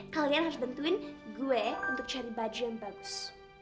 kalian harus bantuin gue untuk cari baju yang bagus